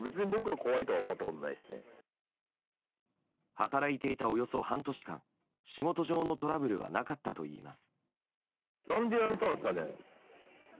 働いていたおよそ半年間仕事上のトラブルはなかったといいます。